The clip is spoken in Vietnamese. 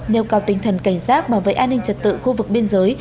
nêu cao tinh thần cảnh giác bảo vệ an ninh trật tự khu vực biên giới